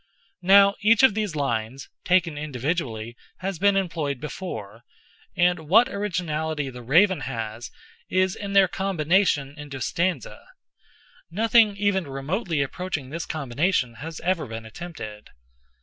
Now, each of these lines, taken individually, has been employed before, and what originality the "Raven" has, is in their combination into stanza; nothing even remotely approaching this combination has ever been attempted.